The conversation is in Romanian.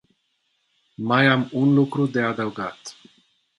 Mai am un lucru de adăugat.